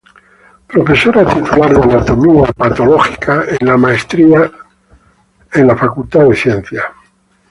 Profesora titular de anatomía patológica en la Maestría en la Facultad de Ciencias.